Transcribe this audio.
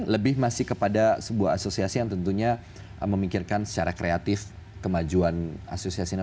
lebih masih kepada sebuah asosiasi yang tentunya memikirkan secara kreatif kemajuan asosiasinya